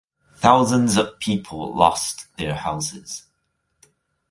Thousands of people lost their houses.